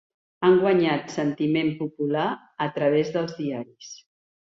Han guanyat sentiment popular a través dels diaris.